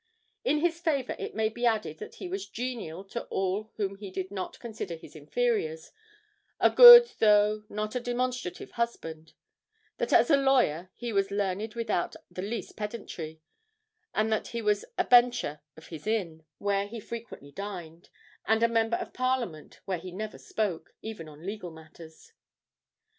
In his favour it may be added that he was genial to all whom he did not consider his inferiors, a good though not a demonstrative husband; that as a lawyer he was learned without the least pedantry; and that he was a Bencher of his Inn, where he frequently dined, and a Member of Parliament, where he never spoke, even on legal matters.